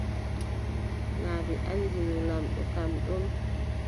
Naa ɓe anndino lamɗo kam ɗon.